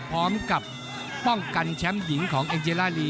พร้อมกับป้องกันแชมป์หญิงของเอ็งเจล่าลี